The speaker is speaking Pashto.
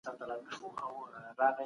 د علم په رڼا کي پرمختګ وکړئ.